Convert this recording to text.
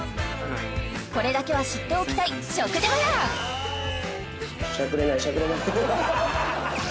これだけは知っておきたい食事マナー